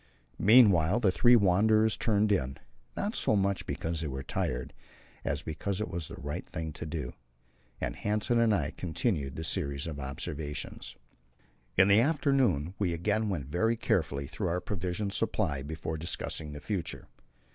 Meanwhile the three wanderers turned in not so much because they were tired, as because it was the right thing to do and Hanssen and I continued the series of observations. In the afternoon we again went very carefully through our provision supply before discussing the future.